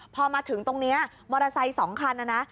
พอมาถึงตรงนี้มอเตอร์ไซค์๒คันนะนะ